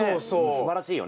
すばらしいよね。